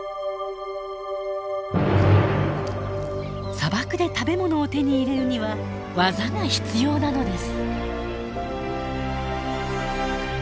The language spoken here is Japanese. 砂漠で食べ物を手に入れるには技が必要なのです。